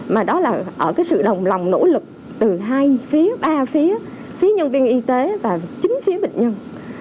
mà đó là ở cái sự đồng lòng nỗ lực từ hai phía ba phía phía nhân viên y tế và chính phía bệnh nhân